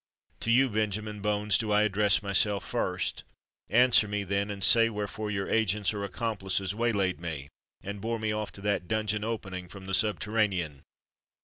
To you, Benjamin Bones, do I address myself first:—answer me, then—and say wherefore your agents or accomplices waylaid me, and bore me off to that dungeon opening from the subterranean.